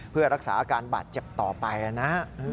เพื่อรักษาอาการบาดเจ็บต่อไปนะฮะ